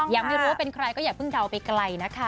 ยังไม่รู้ว่าเป็นใครก็อย่าเพิ่งเดาไปไกลนะคะ